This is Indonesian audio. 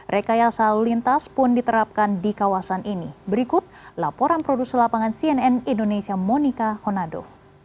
rekayasa lalu lintas pun diterapkan di kawasan ini berikut laporan produser lapangan cnn indonesia monika honado